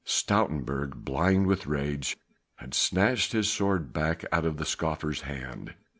Stoutenburg, blind with rage, had snatched his sword back out of the scoffer's hand.